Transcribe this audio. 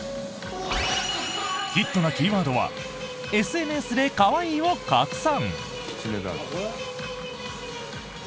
ヒットなキーワードはＳＮＳで可愛いを拡散。